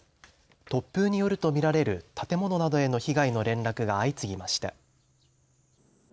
突風によると見られる建物などへの被害の連絡が相次ぎました。